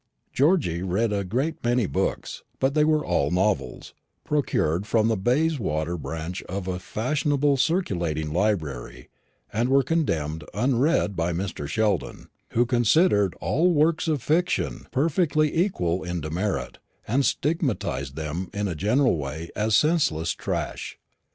Georgy read a great many books; but they were all novels, procured from the Bayswater branch of a fashionable circulating library, and were condemned unread by Mr. Sheldon, who considered all works of fiction perfectly equal in demerit, and stigmatised them, in a general way, as "senseless trash."